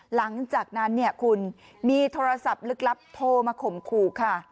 หลังจากนั้นเนี่ยคุณมีโทรศัพท์ลึกลับโทรมาข่มขู่ค่ะ